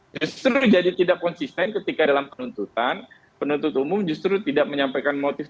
justru jadi tidak konsisten ketika dalam penuntutan penuntut umum justru tidak menyampaikan motif